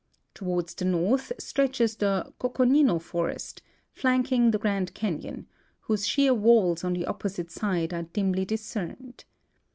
Toward the north stretches the Coconino forest, flank ing the Grand Canon, whose sheer walls on the opposite side are dimly discerned.